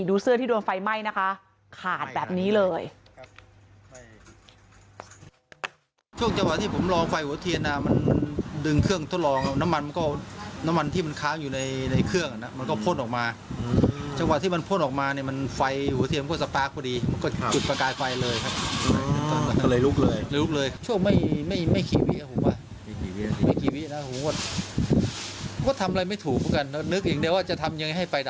เสื้อที่โดนไฟไหม้นะคะขาดแบบนี้เลย